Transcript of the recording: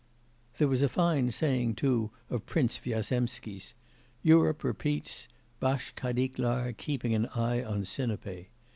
That was a fine saying, too, of Prince Vyazemsky's: "Europe repeats: Bash Kadik Lar keeping an eye on Sinope."